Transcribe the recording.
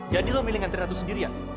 jadi lo milih antar ratu sendirian